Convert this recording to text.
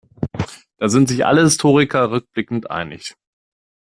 Da sind sich alle Historiker rückblickend einig.